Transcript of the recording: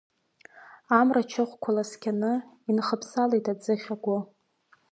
Амра ачыхәқәа ласкьаны, инхыԥсалеит аӡыхь агәы.